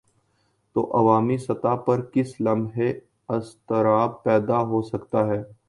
تو عوامی سطح پر کسی لمحے اضطراب پیدا ہو سکتا ہے۔